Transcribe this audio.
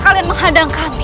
kaliat menghadang kami